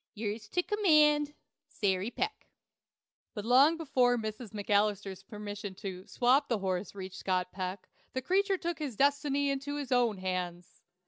"yours to Command, SARY PECK." But long before Mrs. McAlister's permission to "swap" the horse reached Scott Peck, the creature took his destiny into his own hands.